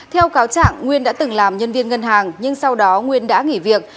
theo cáo trạng nguyên đã từng làm nhân viên ngân hàng nhưng sau đó nguyên đã nghỉ việc